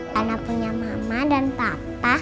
karena punya mama dan papa